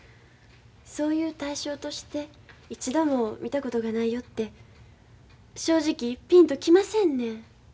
そういう対象として一度も見たことがないよって正直ぴんと来ませんねん。